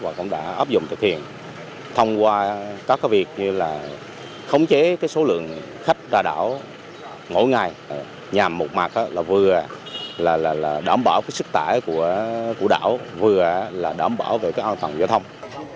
và cũng đã áp dụng thực hiện thông qua các việc như là khống chế số lượng khách ra đảo mỗi ngày nhằm một mặt là vừa là đảm bảo sức tải của đảo vừa là đảm bảo về cái an toàn giao thông